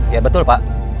ya betul pak